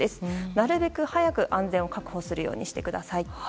なるべく早く安全を確保するようにしてください。